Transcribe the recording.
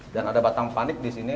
ada batang panik di sini